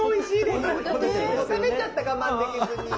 もう食べちゃった我慢できずに！